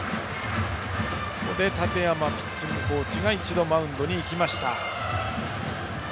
ここで建山ピッチングコーチが一度、マウンドに行きました。